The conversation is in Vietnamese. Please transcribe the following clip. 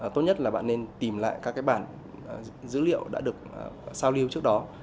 tốt nhất là bạn nên tìm lại các cái bản dữ liệu đã được giao lưu trước đó